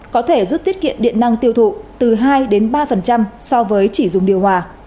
có thể giúp tiết kiệm điện năng tiêu thụ từ hai ba so với chỉ dùng điều hòa